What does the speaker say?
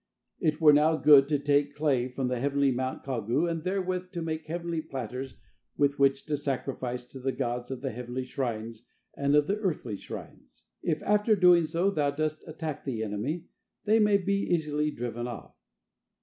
It were now good to take clay from the heavenly mount Kagu and therewith to make heavenly platters with which to sacrifice to the gods of the heavenly shrines and of the earthly shrines. If after doing so thou dost attack the enemy, they may be easily driven off."